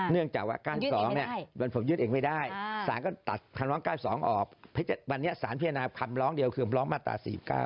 เนื่องจากว่า๙๒มันผมยืดเองไม่ได้สารก็ตัดคำร้อง๙๒ออกวันนี้สารพิจารณาคำร้องเดียวคือคำร้องมาตรา๔๙